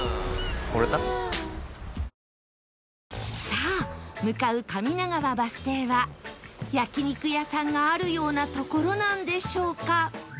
さあ向かう上長和バス停は焼肉屋さんがあるような所なんでしょうか？